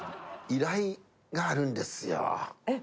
依頼があるんですよえっ？